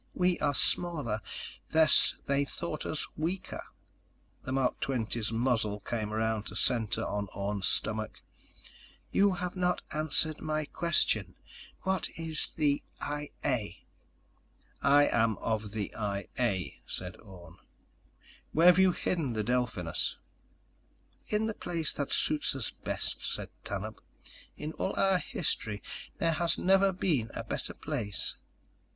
"We are smaller, thus they thought us weaker." The Mark XX's muzzle came around to center on Orne's stomach. "You have not answered my question. What is the I A?" "I am of the I A," said Orne. "Where've you hidden the Delphinus?" "In the place that suits us best," said Tanub. "In all our history there has never been a better place."